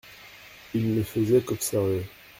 Il ne faisait qu’observer.